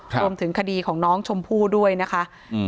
รวมถึงคดีของน้องชมพู่ด้วยนะคะ